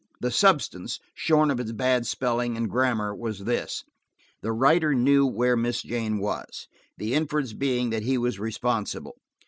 The substance, shorn of its bad spelling and grammar, was this: The writer knew where Miss Jane was; the inference being that he was responsible.